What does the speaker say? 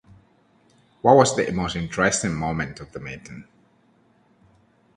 What was the most interesting moment of the meeting?